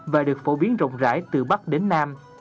và được phổ biến rộng rãi từ bắc đến nam